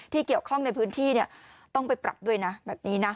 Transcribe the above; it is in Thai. เกี่ยวข้องในพื้นที่ต้องไปปรับด้วยนะแบบนี้นะ